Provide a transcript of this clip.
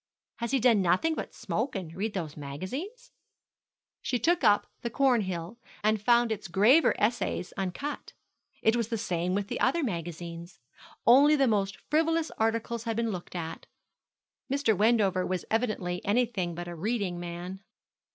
'Has he done nothing but smoke and read those magazines?' She took up the Cornhill, and found its graver essays uncut. It was the same with the other magazines. Only the most frivolous articles had been looked at. Mr. Wendover was evidently anything but a reading man.